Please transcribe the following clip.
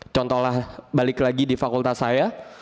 contohlah balik lagi di fakultas saya